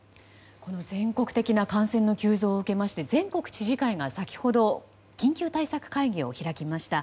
全国的な感染の急増を受けまして全国知事会が先ほど緊急対策会議を開きました。